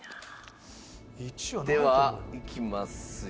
ではいきますよ。